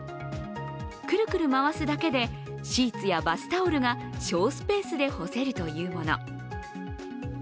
くるくる回すだけでシーツやバスタオルが省スペースで干せるというもの。